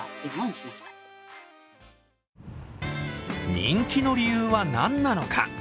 人気の理由は何なのか。